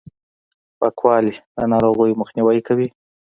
پاکوالي، د ناروغیو مخنیوی کوي!